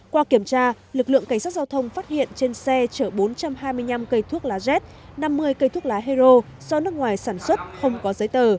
qua kiểm tra lực lượng cảnh sát giao thông phát hiện trên xe chở bốn trăm hai mươi năm cây thuốc lá z năm mươi cây thuốc lá hero do nước ngoài sản xuất không có giấy tờ